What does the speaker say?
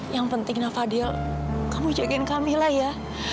yang penting fadil kamu jagain kamila ya